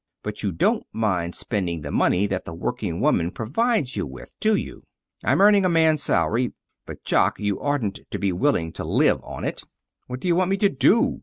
But you don't mind spending the money that the working woman provides you with, do you? I'm earning a man's salary. But Jock, you oughtn't to be willing to live on it. "What do you want me to do?"